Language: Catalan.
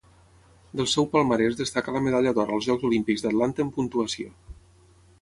Del seu palmarès destaca la medalla d'or als Jocs Olímpics d'Atlanta en puntuació.